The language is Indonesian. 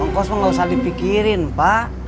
ongkos kok nggak usah dipikirin pak